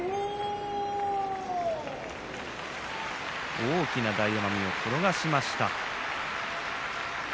大きな大奄美を転がしました。